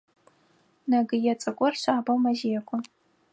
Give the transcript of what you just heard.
Нэгые цӏыкӏур шъабэу мэзекӏо.